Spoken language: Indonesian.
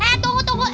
eh tunggu tunggu